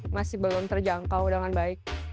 masih belum terjangkau dengan baik